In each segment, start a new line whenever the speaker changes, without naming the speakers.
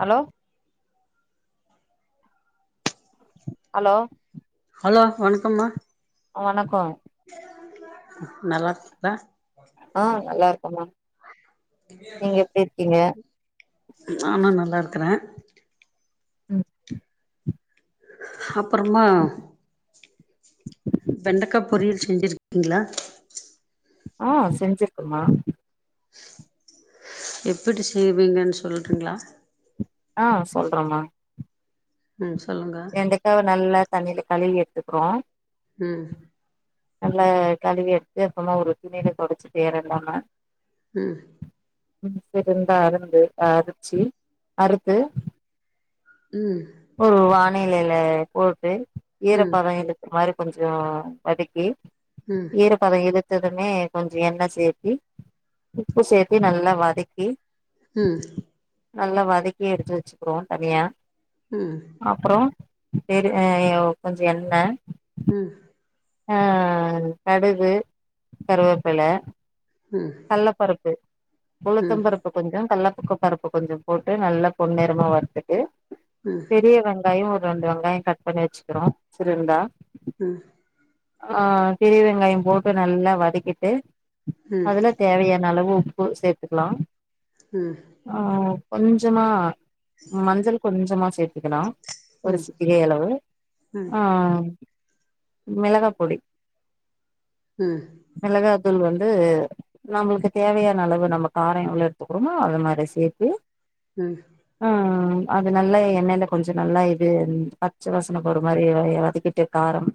Hello hello
hello வணக்கம்மா
ஆ வணக்கம்
நல்லாருக்கீங்களா
ஆ நல்லா இருக்கம்மா
நானு நல்லா இருக்கறே
ம்
அப்புறமா வெண்டக்கா பொரியல் செஞ்சிருக்கீங்களா
ஆ செஞ்சிருக்குமா
எப்படி செய்வீங்கன்னு சொல்றீங்களா
ஆ சொல்றமா
ம் சொல்லுங்க
டக்காவ நல்லா தண்ணில கழுவி எடுத்துக்கிறோ
ம்
நல்லா கழுவி எடுத்து அப்புறமா ஒரு துணியில தொடைச்சிட்டு ஈரோ இல்லாம
ம்
ம் சரிந்தா அறுந்து அரிச்சு அறுத்து
ம்
ஒரு வானிலையில போட்டு
ம்
ஈரப்பதோ இழு இந்த மாரி கொஞ்சோ வதக்கி
ம்
ஈரப்பதம் இழுத்ததுமே கொஞ்ச எண்ண சேத்தி உப்பு சேத்தி நல்லா வதக்கி
ம்
நல்லா வதக்கி எடுத்து வச்சுக்கிறோ தனியா
ம்
அப்பறோ சரி கொஞ்சோ எண்ண
ம்
ஆ கடுகு கருவேப்பல.
ம் ம்
கல்லப்பருப்பு, உளுத்தம் பருப்பு. கொஞ்சோ கல்ல பருப்பு கொஞ்சோ போட்டு, நல்லா பொண்நேரமா வருத்துட்டு.
ம்
பெரிய வெங்காயோ ஒரு ரெண்டு வெங்காயோ கட் பண்ணி வச்சுக்கிறோ சிறு துண்டா.
ம்
ஆ பெரிய வெங்காயம் போட்டு நல்லா வதக்கிட்டு
ம் ம் ம்
அதில. தேவையான அளவு உப்பு சேத்துக்கலா
ம்
ஆ கொஞ்சமா மஞ்சள் கொஞ்சமா சேத்துக்கலா ஒரு
ம் ம்
சிட்டிகை அளவு ஆ ம் மெளகா பொடி
ம்
மெளகா தூள் வந்து நம்மளுக்கு தேவையான அளவு நம்ம கார எவ்ள எடுத்துக்குறமோ அது மாரி சேத்து
ம்
ஆ ம் அது நல்லா எண்ணெயில கொஞ்ச நல்லா இது பச்ச வசன போற மாரி வதக்கிட்டு காரம்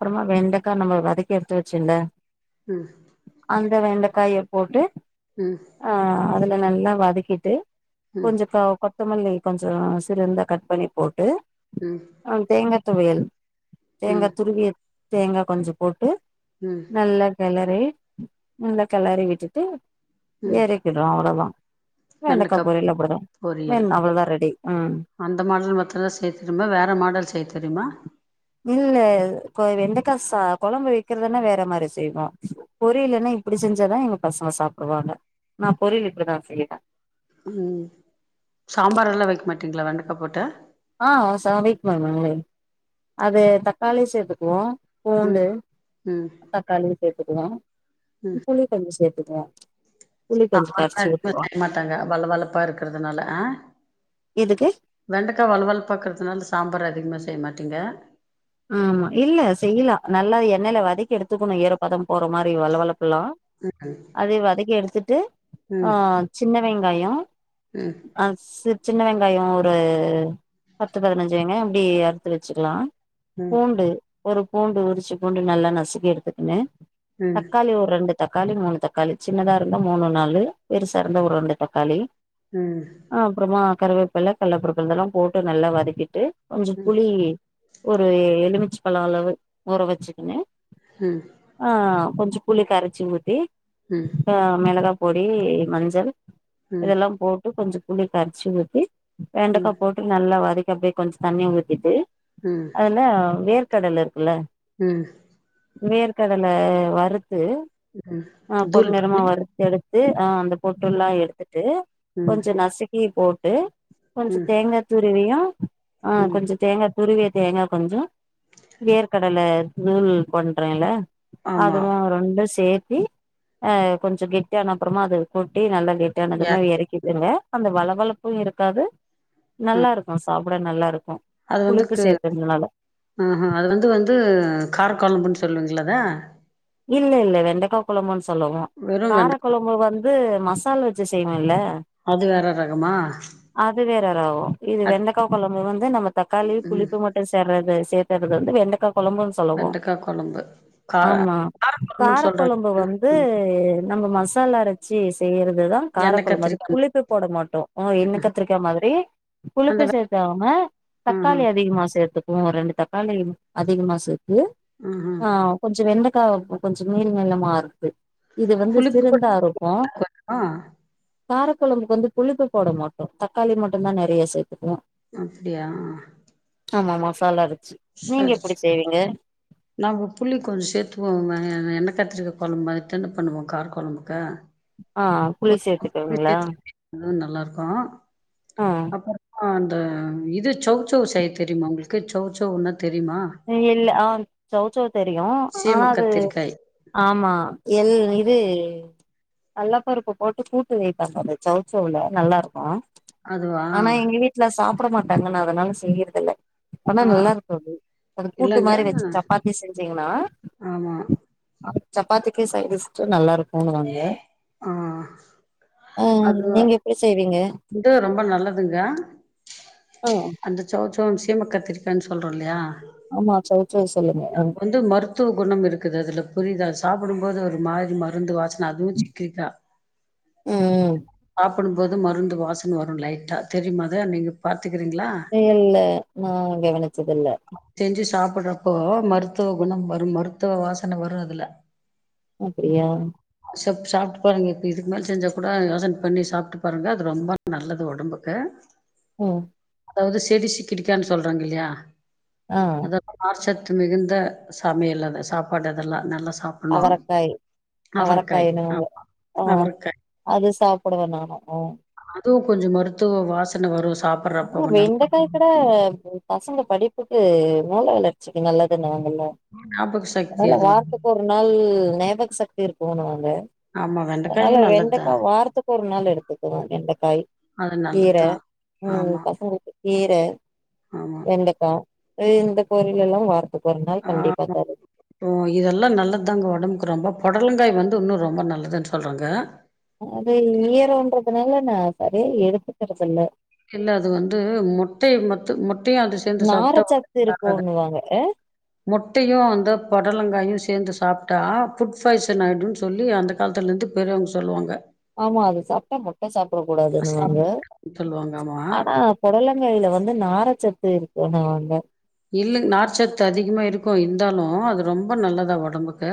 அப்பறமா வெண்டக்கா நம்ம வதக்கி எடுத்து வச்சல்ல
ம்
அந்த வெண்டைக்காய போட்டு
ம்
ஆ அதுல நல்லா வதக்கிட்டு
ம்
கொஞ்ச கா கொத்தமல்லி கொஞ்ச சிறந்த கட் பண்ணி போட்டு
ம்
ஆ தேங்கா துவையல் தேங்கா துருவிய தேங்கா கொஞ்ச போட்டு
ம்
நல்ல களரி நல்ல களரிவிட்டுட்டு
ம்
எறக்கிட்றோ அவ்வளோதா வெண்டக்கா பொரியல் அப்படிதா
பொரியல்
வென் அவ்வளோதா ரெடி ம்
அந்த மாடல் மத்தல்லா செய்ய தெரியுமா வேறு மாடல் செய்ய தெரியுமா
இல்ல வெண்டக்கா சா கொழம்பு விக்கறதுனா வேற மாரி செய்வோ பொரியலுன்னா இப்டி செஞ்சாதா எங்க பசங்க சாப்டுவாங்க நா பொரியல் இப்படிதா செய்யறே
ம் சாம்பாரெல்லா வைக்க மாட்டீங்களா வெண்டக்கா போட்டு
ஆ [unintelligible] அது தக்காளி சேர்த்துக்குவோ
ம்
பூண்டு
ம்
தக்காளிய சேத்துக்குவோ
ம்
புளி கொஞ்ச சேத்துக்கவோ புளி கொஞ்ச கரைச்சு ஊத்துவோ
தாங்க வள வளப்பா இருக்கறதுனால ஆ த
இதுக்கு
வெண்டக்கா வளவளப்பாக்கறதுனால சாம்பார் அதிகமா செய்ய மாட்டீங்க
ஆமா இல்ல செய்யலா நல்லா எண்ணயில வதக்கி எடுத்துக்கணு ஈற பதம் போற மாரி வள வளபப்பல்லா
ம் ம்
அது வதக்கி எடுத்துட்டு ஆ சின்ன வெங்காயோ
ம்
ஆ சின்ன வெங்காயோ ஒரு பத்து பதினஞ்சு வெங்காயோ அப்டி அறுத்து வச்சுக்கலா
ம்
பூண்டு ஒரு பூண்டு உரிச்சு பூண்டு நல்லா நசுக்கி எடுத்துக்கினு
ம்
தக்காளி ஒரு ரெண்டு தக்காளி மூணு தக்காளி சின்னதா இருந்தா மூணு நாலு பெருசா இருந்த ஒரு ரெண்டு தக்காளி
ம்
ஆ அப்பறமா கருவேப்பல்ல கள்ளபருபு இதெல்லா போட்டு நல்லா வதக்கிட்டு கொஞ்சம் புளி ஒரு எலுமிச்ச பழ அளவு ஊற வச்சுக்கணு
ம்
ஆ கொஞ்ச புளி கரைச்சி ஊத்தி
ம்
ஆ மெளகா பொடி மஞ்சள்
ம்
இதெல்லா போட்டு கொஞ்ச புளி கரைச்சு ஊத்தி வெண்டக்கா போட்டு நல்லா வதக்கி அப்டியே கொஞ்ஜோ தண்ணிய ஊத்திட்டு
ம்
ஆனா வேர்க்கடல இருக்குல்ல
ம்
வேர்கடல வறுத்து
ம்
அ பொன்
தூள்
நெறமா
பண்ணி
வறுத்து எடுத்து ஆ அந்த பொட்டு எல்லாம் எடுத்துட்டு
ம்
கொஞ்சம் நசிக் கி போட்டு கொஞ்சோ
ம்
தேங்கா துருவியும் ஆ
ம்
கொஞ்சோ தேங்கா துருவிய தேங்கா கொஞ்சோ வேர்கடல தூள் பண்றேன்ல
ஆமா
அதுவும் ரெண்டும் சேத்தி அ கொஞ்சம் கெட்டி ஆன அப்றமா அது கொட்டி நல்லா
யா
கெட்டியானதுமே எறக்கிகிருவேன் அந்த வள வளப்பும் இருக்காது நல்லா
ம்
இருக்கும் சாப்பிட நல்லா இருக்கும்
அது வந்துக்கு ஹு ஹும் அது வந்து வந்து காரகொழம்புனு சொல்லுவீங்களா அத
இல்ல இல்ல வெண்டைக்கா கொழம்புன்னு சொல்லுவோம்
வெறு
கார
வெண்டக்கா
கொழம்பு வந்து து மசால் வச்சு செய்வேன்ல
அது வேற ரகமா?
அது வேற ரகோம் இது
அத்
வெண்டைக்கா கொழம்பு வந்து நம்ப தக்காளி
ம்
புளிப்பு மட்டு சேர்றது சேத்தறது வந்து வெண்டைக்கா கொழம்புனு
வெண்டக்கா கொழம்பு கா காரம்
கார கொழம்பு வந்து நம்ம மசாலா அரைச்சு செய்யறதுதா கார
எண்ணெ
கொழம்பு அதுக்
கத்திரிக்கா
புளிப்பு போட மாட்டோம் ம் எண்ணெ கத்திரிக்க மாதிரி
அந்த
புளிப்பு
வெ
சேத்தாமே தக்காளி
ம்ஹும்
அதிகமா சேத்து ரெண்டு தக்காளி அதிகமா சேத்து
ம்ஹும்
ஆம் கொஞ்சோ வெண்ட கா கொஞ்சம் நீள்நீளமா அறுத்து இது வந்து
புளிப்பு கூட
சிறுந்தா இருக்கும்
கொஞ்சோ
காரக்கொழம்புக்கு வந்து புளிப்பு போட மாட்டோ தக்காளி மட்டுந்தா நெறைய சேத்துக்குவோம்
அப்டியா
ஆமா மசாலா அறச்சு நீங்க எப்டி செய்வீங்க
நாம் உ புளி கொஞ்சோ சேத்து போவன் எண்ணெ கத்திரிக்க கொழம்பு அத்தான பண்ணுவோம் கார கொழம்புக்கு
ஆ
கொ
புளி
புளி
சேத்துக்குவீங்களா
சேத்து [unintelligible] நல்லா இருக்கும்
ஆ
அப்புறம் ஆ அந்த இது சௌவுச்சௌவு செய்ய தெரியுமா உங்களுக்கு சௌச்சௌவுனா தெரியுமா
இல் ஆ சௌச்சௌவு தெரியும் ஆனா
சீம
அது
கத்திரிக்காய்
ஆமா எல் இது கல்லப்பருப்ப போட்டு கூட்டு வய்பாங்க அ சௌச்சௌவ்ல நல்லா இருக்கும்
அதுவா
ஆனா எங்க வீட்ல சாப்பிட மாட்டாங்கன்னு அதனால செய்யறத இல்ல ஆனா
ஆ
நல்லா இருக்கும் அது அது கூட்டு
இல்லங்க
மாரி வச்சு சப்பாத்தி செஞ்சீங்னா
ஆமா
சப்பாத்திக்கு சைட் டிஷு நல்லா இருக்குன்னுவாங்க
ஆ
ஆ
அது
நீங்க எப்டி செய்வீங்க
இது ரொம்ப நல்லதுங்க
ம்
அந்த சௌச்சௌ சீம கத்திரிக்கான்னு சொல்றோ இல்லயா
ஆமா சௌச்சௌவ் சொல்லுங்க
வந்து மருத்துவ குணம் இருக்குது அதுல புரியுது சாப்பிடும் போது ஒரு மாரி மருந்து வாச அதுவும் சிக்கிக்கா
ம்
சாப்பிடும் போது மருந்து வாசன வரும் லைட்டா தெரியுமா அத நீங்க பாத்துக்கிறீங்களா
இல்ல நான கவனிச்சதில்ல
செஞ்சு சாப்பிடுறப்போ மருத்துவ குணம் வரும் மருத்துவ வாசன வரும் அதுல
அப்படியா
சக் சாப்ட்டு பாருங்க இப்ப இதுக்கு மேல செஞ்சா கூட யோசன பண்ணி சாப்ட்டு பாருங்க அது ரொம்ப நல்லது ஒடம்புக்கு [inaudible]
உம்
அதாது செடி சிக்கிடிக்கானு சொல்றாங்க இல்லயா
ஆஹ்
அது நார்ச்சத்து மிகுந்த சமையல் அது சாப்பாடு இதெல்லாம் நல்லா சாப்
அவரக்காய் அவர பையனங்க
ஆமா
ஆஹ
அவரக்காய்
அது சாப்புடுவேன் நானும் ஆ
அதுவும் கொஞ்ஜோ மருத்துவ வாசன வரும் சாப்
அப்றோ வெண்டகாய் க்குற பசங்க படிப்புக்கு மூல வளர்சிக்கு நல்லதுன்னாங்கல
ஞாபக சக்தி
அது
வந்து
வாரத்துக்கு ஒரு நாள் ஞாபக சக்தி இருக்குணுவங்க
ஆமா வெண்டைக்காயு
அதனால
நல்லதுதா
வெண்டைக்கா வாரத்துக்கு ஒரு நாள் எடுத்துக்குவோம் வெண்டைக்காய்
ஆ நல்லது தான்
உம் பசங்களுக்கு கீர
ஆமா
வெண்டைக்கா இந்த பொறிலலாம் வார அப்ப ஒரு நாள் கண்டிபா தரு
ஓ இதெல்லாம் நல்லது தாங்க ஒடம்புக்கு ரொம்ப பொடலங்காய் வந்து இன்னும் ரொம்ப நல்லதுன்னு சொல்றாங்க
அது ஈரம்றதுனால நான் சரியா எடுத்துக்கறதுல்ல
இல்ல அது வந்து முட்டைய மத்து முட்டையும் அது சேர்ந்து சாப்ட்டா ஒன்னு
நாரச்சத்து
ஆகாது
இருக்குன்னுவாங்க
முட்டையும் அந்த பொடலங்காயும் சேர்ந்து சாப்ட்டா ஃபுட் பாய்சன் ஆயிடும் சொல்லி அந்த காலத்துலருந்து பெரியவங்க சொல்வாங்க
ஆமா அது சாப்ட்டா முட்ட சாப்டக் கூடாதுன்னுவாங்க
சாப்டாதீங்கன்னு சொல்லுவாங்க ஆமா.
ஆனா பொடலங்காயில வந்து நாரச்சத்து இருக்குனுவாங்க
இல்ல நார்ச்சத்து அதிகமா இருக்கும் இருந்தாலும் அது ரொம்ப நல்லதா ஒடம்புக்கு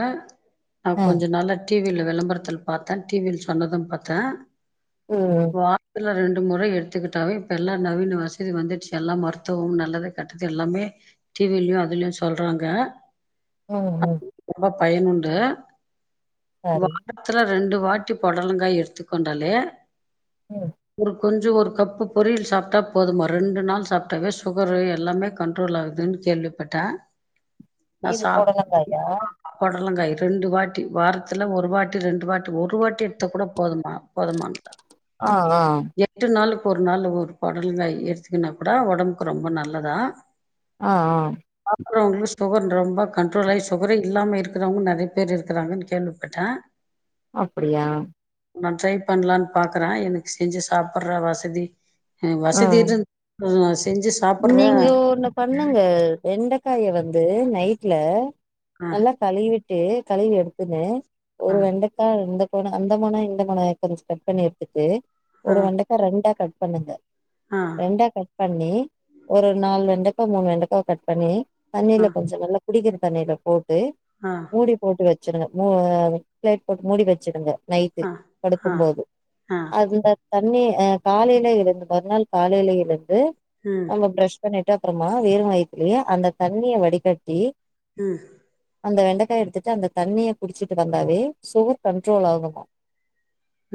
நான்
ஆ
கொஞ்ச நாளா டிவில விளம்பரத்துல பாத்தேன் டிவியில சொன்னதும் பாத்தேன்
ம்
வார்த்ல ரெண்டு முறை எடுத்துக்கிட்டாவே இப்ப எல்லா நவீன வசதி வந்துடுச்சு எல்லா மருத்துவம் நல்லது கெட்டது எல்லாமே டிவிலயும் அதுலயும் சொல்றாங்க
உம்
அது
ம்
ரொம்ப பயனுண்டு
சரி
த்துல ரெண்டு வாட்டி பொடலங்காய் எடுத்துக் கொண்டாலே
ம்
ஒரு கொஞ்ஜோ ஒரு கப்பு பொரியல் சாப்ட்டா போதுமா ரெண்டு நாள் சாப்ட்டாவே சுகரு எல்லாமே கண் ட்ரோல் ஆகுதுனு கேள்விப்பட்ட நா
இது
சாப்
பொடலங்காயா
பொடலங்காய் ரெண்டு வாட்டி வாரத்துல ஒரு வாட்டி ரெண்டு வாட்டி ஒரு வாட்டி எடுத்தா கூட போதுமா போதுமா ஆ
ஆஹ் ஆஹ்
எட்டு நாளுக்கு ஒரு நாளு ஒரு பொடலங்க எடுத்துக்னா கூட ஒடம்புக்கு ரொம்ப நல்லதா
ஆஹ் ஆஹ்
சாப்பறவங்களுக்கு சுகர் ரொம்ப கண்ட்ரோல் ஆய் சுகரே இல்லாம இருக்குறவங்க நறைய பேர் இருக்குறாங்கன்னு கேள்விப்பட்டேன்
அப்படியா
நான் ட்ரை பண்ணலான் பாக்குறேன் எனக்கு செஞ்சு சாப்டுடற வசதி ய
ஆ
வசதி இருக்கறது செஞ்சு சாப்பட்ற
நீங்க ஒண்ணு பண்ணுங்க வெண்டக்காய வந்து நைட்ல
அ
நல்லா கழுவிட்டு கழுவி எடுத்துன்னு
அ அ
ஒரு வெண்டக் கா இந்த கொன அந்த மொன இந்த மொன கொஞ்ச கட் பண்ணி எடுத்துட்டு
அ
ஒரு வெண்ட கா ரெண்டா கட் பண்ணுங்க
அ
ரெண்டா கட் பண்ணி ஒரு நாலு வெண்டக்கா மூணு வெண்டக்காவ கட் பண்ணி தண்ணீல கொஞ்ச நல்லா குடிக்கிற தண்ணீல போட்டு
ஆ
மூடி போட்டு வச்சுடுங்க மூ பிளேட் போட்டு மூடி வச்சுடுங்க நைட்டு
அ அ
படுக்கும் போது
அ
அந்த தண்ணி அ காலைல எழுந்து மறுநாள் காலைல எழுந்து
ம்
நம்ம ப்ரஷ் பண்ணிட்டு அப்புறமா வெறு வய்த்துலயே அந்த தண்ணிய வடிகட்டி
ம்
அந்த வெண்டக்காய எடுத்துட்டு அந்த தண்ணிய குடிச்சிட்டு வந்தாவே சுகர் கண்ட்ரோல் ஆகுமா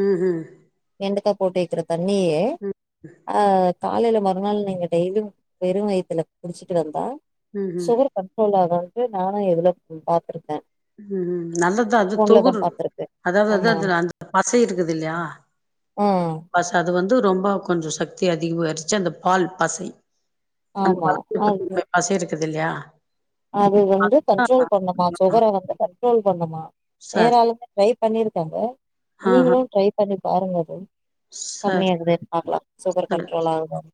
ம் ஹூம்
வெண்டக்கா போட்டு வக்கிற தண்ணியே அ காலைல மறுநாள் நீங்க டெய்லியு வெறு வய்த்துல குடிச்சிட்டு வந்தா
ம்ஹும்
சுகர் கன் ட்ரோல் [unintelligible] நானு எதுலயோ பாத்துருக்கே
ம் ம் நல்லதுதா அது தொகுறு
பாத்திருக்கே
அதாவது
ஆமா
அதுல அந்த பச இருக்குது இல்லயா
ம்
பச அது வந்து ரொம்ப கொஞ்ச சக்தி அதிகமாய்டுச்சு அந்த பால் பசை அந்த
ஆமா
வலு
அது
[unintelligible] பசை இருக்குது இல்லயா
அது வந்து கண்ட்ரோல் பண்ணுமா
ஆ
சுகர வந்து கண்ட்ரோல் பண்ணுமா
சார்
வேறாலுமே ட்ரை பண்ணிருக்கே அத
ஆஹா
நீங்களு ட்ரை பண்ணி பாருங்க அத கம்மியா
சரி
இருக்குதே பாக்லா சுகர்
சரி
கண்ட்ரோல் ஆவுதான்னு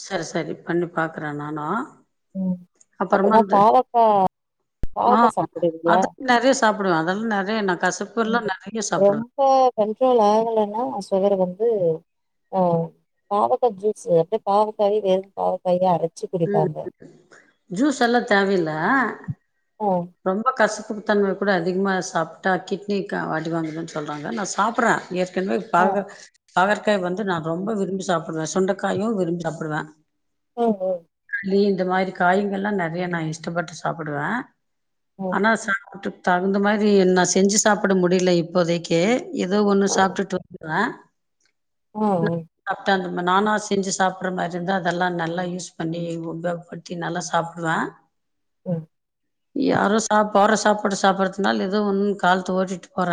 சரி சரி பண்ணி பாக்றே நானு
ம்
அப்புறமா
அப்பறமா
வந்து
பாவக்கா
ஆ
பாவக்கா சாப்டுவீங்களா
அது நெறய சாப்படுவே அதெல்லா நெறய நா கசப்பு எல்லா நெறய சாப்
ரொம்போ கண்ட்ரோல் ஆகலன்னா சுகர் வந்து ஆ பாவக்கா ஜுஸு அப்டி பாவக்காய் வெறும் பாவக்காயவே அரச்சு
ம்
குடிப்பாங்க
ஜூஸ் எல்லா தேவை இல்ல
ஓ
ரொம்ப கசப்புக்கு தன்மை கூட அதிகமா சாப்ட்டா கிட்னிகு அடி வாங்கதுன்னு சொல்றாங்க நா சாப்றே [unintelligible] பா
ஆ
பாகற்காய் வந்து நா ரொம்ப விரும்பி சாப்டுவே சுண்டைக்காயு விரும்பி சாப்பிடுவே
ஓ ஓ
லி இந்த மாரி காய்ங்கல்லா நெறய நா இஷ்டப்பட்டு சாப்டுவே
ம்
ஆனா சாப்ட்டுட் தகுந்த மாரி நா செஞ்சு சாப்ட முடில இப்போதைக்கி கே ஏதோ ஒண்ணு சாப்ட்டுட்ரு அ
ஓ ஓ
சாப்ட்டா அந்த மா நானா செஞ்சு சாப்ட்ற மாரி இருந்தா அதெல்லா நல்லா யூஸ் பண்ணி உபயோகப்படுத்தி நல்லா சாப்டுவே
ம்
யாரோ சாப் போடுற சாப்பாட சாப்டறதுனால ஏதோ ஒன்னு காலத்த ஓட்டிட்டு போற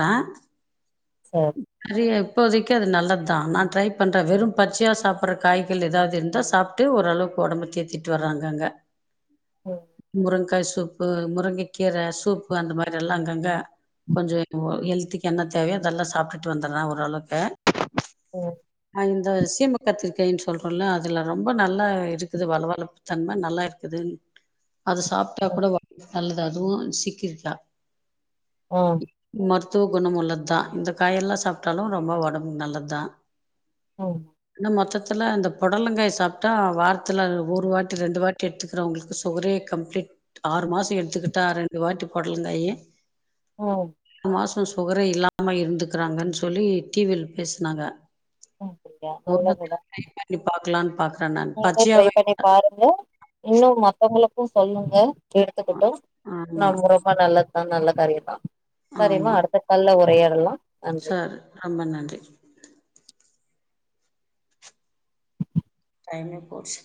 சர்
சரியா இப்போதைக்கு அது நல்லதுதா நா ட்ரை பண்றே வெறு பச்சையா சாப்டுற காய்கள் எதாவது இருந்தா சாப் ட்டு ஓரளவுக்கு ஓடம்பு தேத்திட்டு வர்றாங்க அங்க
ம்
முருங்காய் சூப் பு முருங்கைக்கீரை சூப்பு அந்த மாரி எல்லா அங்கங்க கொஞ்ச இப்போ ஹெல்த்திக்கு என்ன தேவையோ அதெல்லா சாப்ட்டுட்டு வந்துர்ற ஓரளவுக்கு
ம்
அ இந்த சீம கத்திரிக்காய்ன் சொல்றோல அதுல ரொம்ப நல்லா இருக்குது வள வளப் தன்ம நல்லா இருக்குதுன் அத சாப்டா
ம்
கூட நல்லது அதுவு சிக்கிரட்டா
ம்
மருத்துவ குணம் உள்ளதா இந்த காயல்லா சாப்டாலு ரொம்ப ஒடம்புக்கு நல்லதா
ம்
என்ன மொத்தத்துல இந்த பொடலங்காய் சாப்டா வாரத்துல ஒரு வாட்டி ரெண்டு வாட் டேட் எடுத்துக்கிறவங்களுக்கு சுகரே கம்ப்ளீட் ஆ ஒரு மாச எடுத்துக்கிட்டா ரெண்டு வாட்டி பொடலங்காயி
ம்
மாச சுகரே இல்லாம இருந்துக்குறாங்கன் சொல்லி டிவில பேசுனாங்க
அப்டியா
[unintelligible] ட்ரை பண்ணி பாக்லான் பாக்
நீங்க ட்ரை பண்ணி பாருங்க இன்னு மத்தவங்களுக்கு சொல்லுங்க
ஆமா
எடுத்துக்கிட்டு
ஆமா
நம்ம ரொம்ப நல்லதுதா நல்ல காரிய தா சரிமா
ஆமா
அடுத்த கால்ல உரயாடலா நன்றி
சார் ரொம்ப நன்றி டைமே போச்சு